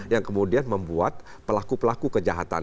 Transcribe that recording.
yang kemudian membuat pelaku pelaku kejahatan